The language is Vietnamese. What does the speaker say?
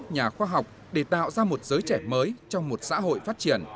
nhà khoa học để tạo ra một giới trẻ mới trong một xã hội phát triển